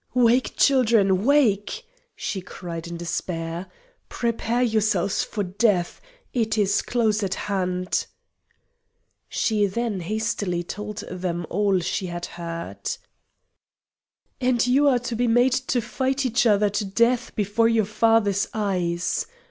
"Wake, children, wake!" she cried in despair; "prepare yourselves for death it is close at hand!" She then hastily told them all she had heard. "And you are to be made to fight each other to death before your fathers' eyes!"